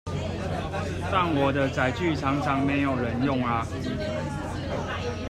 但我的載具常常都沒人用啊！